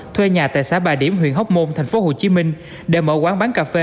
thuê nhà tại xã bà điểm huyện hóc môn tp hcm để mở quán bán cà phê